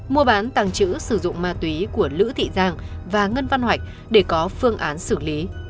mua bán tàng trữ sử dụng ma túy của lữ thị giang và ngân văn hoạch để có phương án xử lý